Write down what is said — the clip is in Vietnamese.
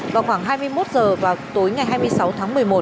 vào khoảng hai mươi một h vào tối ngày hai mươi sáu tháng một mươi một